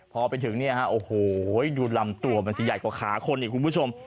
พอไปถึงเนี่ยฮะโอ้โหดูลำตัวมันสิใหญ่กว่าขาคนอีกคุณผู้ชม